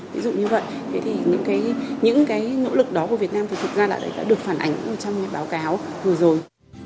ví dụ như vậy thế thì những cái nỗ lực đó của việt nam thực ra là đã được phản ảnh trong báo cáo vừa rồi